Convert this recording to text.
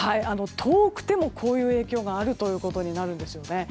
遠くてもこういう影響が出るということなんですね。